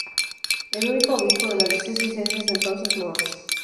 El único obispo de la diócesis es desde entonces Mons.